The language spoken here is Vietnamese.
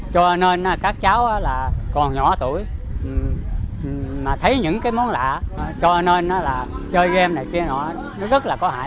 cho nên các cháu còn nhỏ tuổi mà thấy những món lạ cho nên là chơi game này kia nó rất là có hại